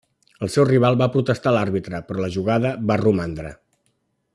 El seu rival va protestar a l’àrbitre però la jugada va romandre.